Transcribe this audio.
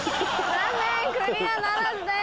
残念クリアならずです。